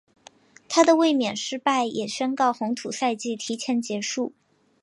她的卫冕失败也宣告红土赛季提前结束。